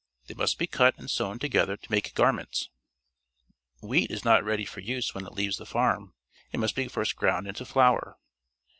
They must be cut and sewn together to make garments. Wheat is not ready for use when it leaves the farm. It must first be ground into flour.